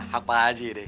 hak pak haji deh